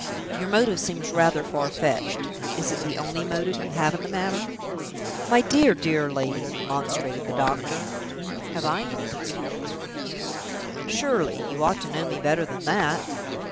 "Your motive seems rather far fetched. Is it the only motive you have in the matter?" "My dear, dear lady!" remonstrated the doctor, "have I any concealments from you? Surely, you ought to know me better than that?"